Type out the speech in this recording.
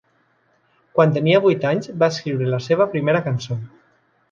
Quan tenia vuit anys va escriure la seva primera cançó.